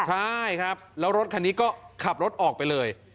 ใช่ครับแล้วรถคันนี้ก็ขับรถออกไปเลย